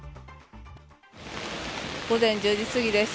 午前１０時すぎです。